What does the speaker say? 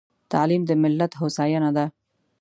تعليم د ملت هوساينه ده.